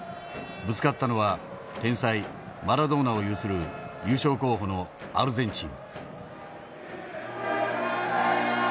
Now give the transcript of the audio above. ぶつかったのは天才マラドーナを有する優勝候補のアルゼンチン。